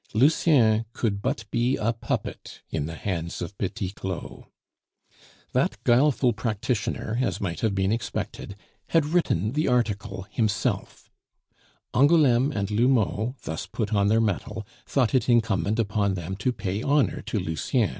Lucien could but be a puppet in the hands of Petit Claud. That guileful practitioner, as might have been expected, had written the article himself; Angouleme and L'Houmeau, thus put on their mettle, thought it incumbent upon them to pay honor to Lucien.